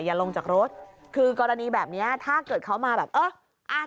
ลงจากรถคือกรณีแบบเนี้ยถ้าเกิดเขามาแบบเอออ่า